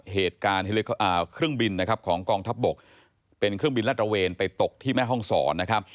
เหตุการณ์เครื่องบินนะครับของกองทัพบกเป็นเครื่องบินรัดระเวนไปตกที่แม่ห้องศรนะครับ